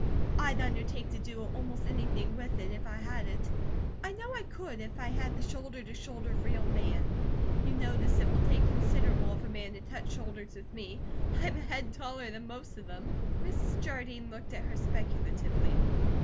I'd undertake to do almost anything with it, if I had it. I know I could, if I had the shoulder to shoulder, real man. You notice it will take considerable of a man to touch shoulders with me; I'm a head taller than most of them." Mrs. Jardine looked at her speculatively.